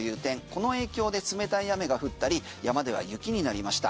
この影響で冷たい雨が降ったり山では雪になりました。